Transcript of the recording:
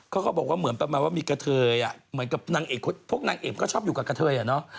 เขาบอกว่าเหมือนประมาณว่ามีกระเทยเหมือนกับนางเอกพวกนางเอกก็ชอบอยู่กับกะเทยอ่ะเนอะ